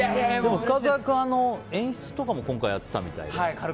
深澤君、今回演出とかも今回やってたみたいで。